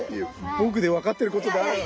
僕で分かっていることであれば。